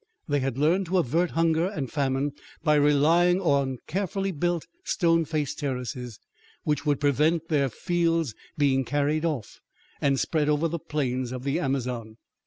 They had learned to avert hunger and famine by relying on carefully built, stone faced terraces, which would prevent their fields being carried off and spread over the plains of the Amazon.